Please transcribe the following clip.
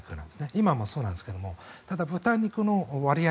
今もそうなんですがただ、豚肉の割合